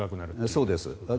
そうです。